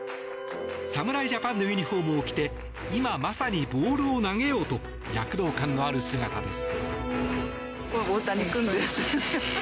侍ジャパンのユニホームを着て今まさにボールを投げようと躍動感のある姿です。